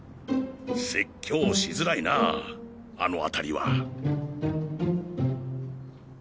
説教しづらいなあの当たりは。